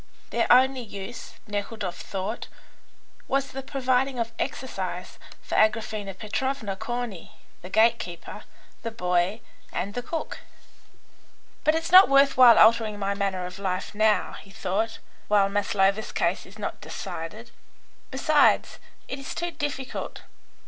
Their only use, Nekhludoff thought, was the providing of exercise for Agraphena Petrovna, Corney, the gate keeper, the boy, and the cook. "But it's not worth while altering my manner of life now," he thought, "while Maslova's case is not decided. Besides, it is too difficult.